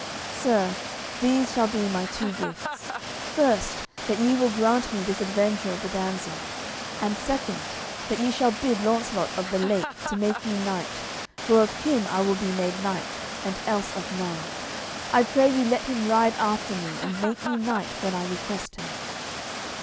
"Sir, these shall be my two gifts. First, that ye will grant me this adventure of the damsel, and second, that ye shall bid Launcelot of the Lake to make me knight, for of him I will be made knight, and else of none. I pray you let him ride after me, and make me knight when I request him."